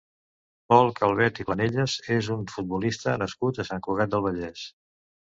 Pol Calvet i Planellas és un futbolista nascut a Sant Cugat del Vallès.